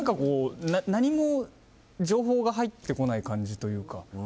何も情報が入ってこない感じというか。